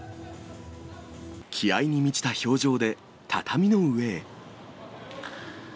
気合いに満ちた表情で、畳の上へ。